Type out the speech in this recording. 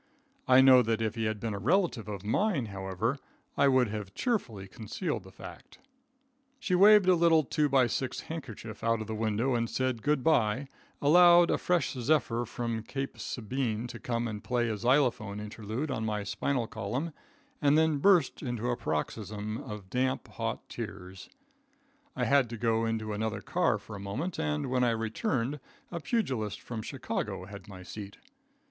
I know that if he had been a relative of mine, however, I would have cheerfully concealed the fact. [Illustration: SHE SOBBED SEVERAL MORE TIMES.] She waved a little 2x6 handkerchief out of the window, said "good bye," allowed a fresh zephyr from Cape Sabine to come in and play a xylophone interlude on my spinal column, and then burst into a paroxysm of damp, hot tears. I had to go into another car for a moment, and when I returned a pugilist from Chicago had my seat.